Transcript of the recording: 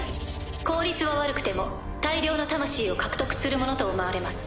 効率は悪くても大量の魂を獲得するものと思われます。